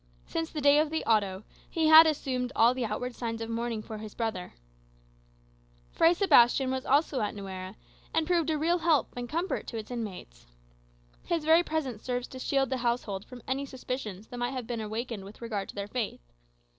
Since the day of the Auto, he had assumed all the outward signs of mourning for his brother. Fray Sebastian was also at Nuera, and proved a real help and comfort to its inmates. His very presence served to shield the household from any suspicions that might have been awakened with regard to their faith.